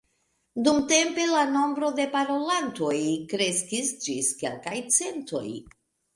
Dumtempe la nombro de parolantoj kreskis ĝis kelkaj centoj.